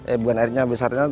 eh bukan airnya besarnya